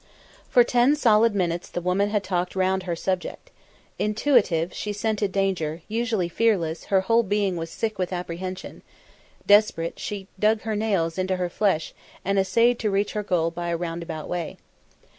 For ten solid minutes the woman had talked round her subject. Intuitive, she scented danger; usually fearless, her whole being was sick with apprehension; desperate, she dug her nails into her flesh and essayed to reach her goal by a roundabout way.